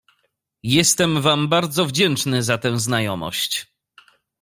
"Jestem wam bardzo wdzięczny za tę znajomość."